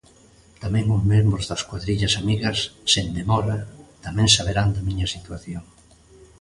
Tamén os membros das cuadrillas amigas, sen demora, tamén saberán da miña situación.